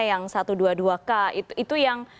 yang satu ratus dua puluh dua k itu yang